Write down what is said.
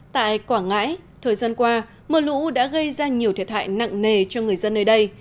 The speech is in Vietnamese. tại quảng ngãi thời gian qua mưa lũ đã gây ra nhiều thiệt hại nặng nề cho người dân nơi đây